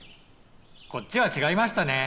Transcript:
こっちは違いましたね。